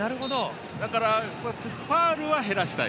だからファウルは減らしたい。